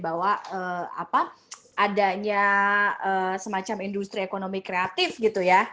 bahwa adanya semacam industri ekonomi kreatif gitu ya